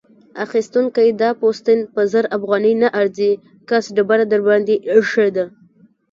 اخيستونکی: دا پوستین په زر افغانۍ نه ارزي؛ کس ډبره درباندې اېښې ده.